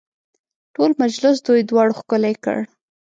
ټول مجلس دوی دواړو ښکلی کړ.